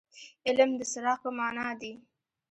علم د څراغ په معنا دي.